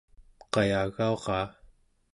qayagauraa